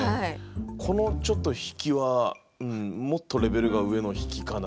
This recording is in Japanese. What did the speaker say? このちょっと引きはもっとレベルが上の引きかな。